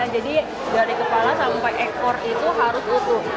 jadi dari kepala sampai ekor itu harus utuh